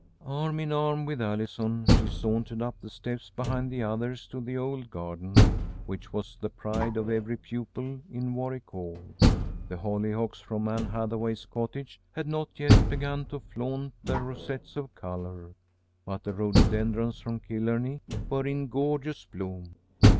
Arm in arm with Allison, she sauntered up the steps behind the others to the old garden, which was the pride of every pupil in Warwick Hall. The hollyhocks from Ann Hathaway's cottage had not yet begun to flaunt their rosettes of color, but the rhododendrons from Killarney were in gorgeous bloom.